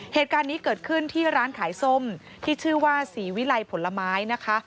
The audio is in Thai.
เหตุการณ์นี้เกิดขึ้นที่ร้านขายส้มที่ชื่อว่าศรีวิลัยผลไม้นะคะ